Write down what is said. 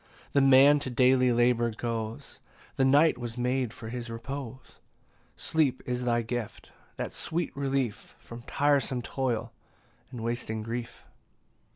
17 Then man to daily labour goes; The night was made for his repose: Sleep is thy gift; that sweet relief From tiresome toil and wasting grief.